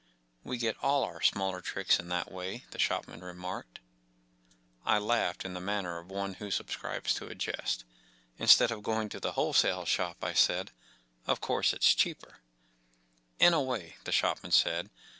“We get all our smaller tricks in that way,” the shopman re¬ marked. 1 laughed in the manner of one who subscribes to a jest 14 Instead of going to the whole¬ sale shop,” I said. “ Of course, it’s cheaper,” “In a way,” the shopman said.